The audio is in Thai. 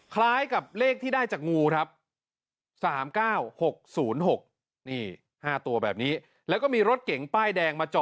คล้ายกับเลขที่ได้จากงูครับ